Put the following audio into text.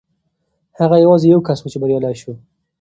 هغه یوازې یو کس و چې بریالی شو.